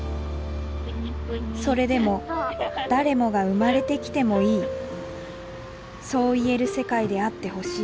それでも誰もが生まれてきてもいいそう言える世界であってほしい